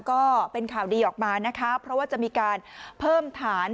ก็เป็นข่าวดีออกมานะคะเพราะว่าจะมีการเพิ่มฐาน